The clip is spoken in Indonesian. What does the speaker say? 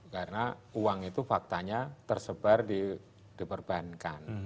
karena uang itu faktanya tersebar di perbankan